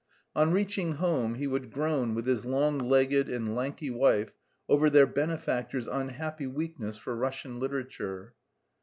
On reaching home he would groan with his long legged and lanky wife over their benefactor's unhappy weakness for Russian literature.